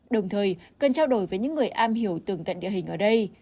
đồng thời cần trao đổi với những người am hiểu tường tận địa hình ở đây